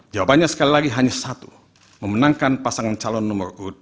jawabannya sekali lagi hanya satu memenangkan pasangan calon nomor ke dua dalam satu putaran